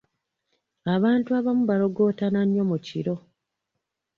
Abantu abamu balogootana nnyo mu kiro.